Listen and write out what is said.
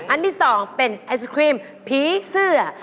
อันที่สองเป็นไอศกรีมพีคเสื้อ